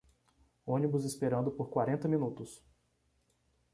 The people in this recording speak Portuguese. Ônibus esperando por quarenta minutos